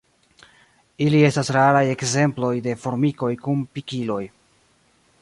Ili estas raraj ekzemploj de formikoj kun pikiloj.